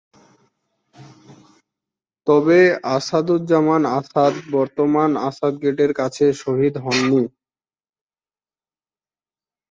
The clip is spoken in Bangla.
তবে আসাদুজ্জামান আসাদ বর্তমান আসাদ গেটের কাছে শহীদ হন নি।